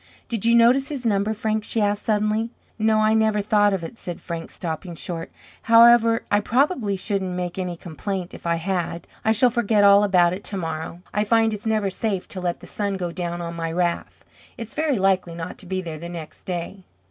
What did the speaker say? "Did you notice his number, Frank?" she asked, suddenly. "No, I never thought of it" said Frank, stopping short. "However, I probably shouldn't make any complaint if I had. I shall forget all about it tomorrow. I find it's never safe to let the sun go down on my wrath. It's very likely not to be there the next day."